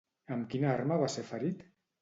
Amb quina arma va ser ferit?